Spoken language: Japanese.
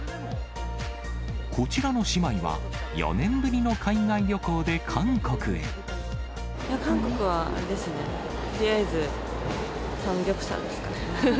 こちらの姉妹は、４年ぶりの海外韓国はあれですね、とりあえずサムギョプサルですかね。